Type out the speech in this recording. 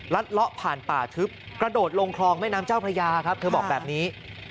เลาะผ่านป่าทึบกระโดดลงคลองแม่น้ำเจ้าพระยาครับเธอบอกแบบนี้